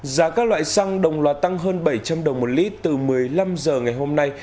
giá các loại xăng đồng loạt tăng hơn bảy trăm linh đồng một lít từ một mươi năm h ngày hôm nay